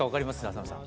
浅野さん。